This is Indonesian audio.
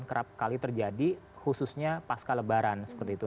kerap kali terjadi khususnya pasca lebaran seperti itu